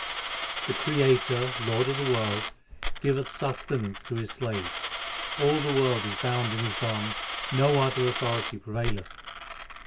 2 K1I. The Creator, Lord of the world, giveth sustenance to His slaves. All the world is bound in His bonds ; no other authority prevaileth.